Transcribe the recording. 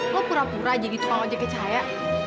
kok pura pura jadi tumpang ojek kecaya